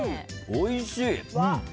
おいしい！